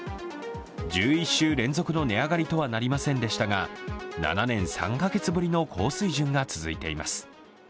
１１週連続の値上がりとはなりませんでしたが７年３カ月ぶりの高水準が続いています。